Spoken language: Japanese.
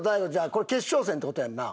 これ決勝戦って事やんな？